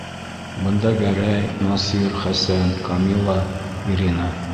Бында Гәрәй, Насир, Хәсән, Камила, Ирина.